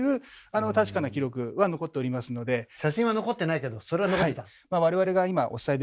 写真は残ってないけどそれは残ってた。